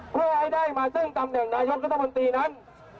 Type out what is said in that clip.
เพื่อให้ได้มาซึ่งตำแหน่งนายกรัฐมนตรีนั้น